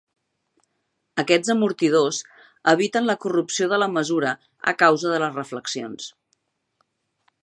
Aquests amortidors eviten la corrupció de la mesura a causa de les reflexions.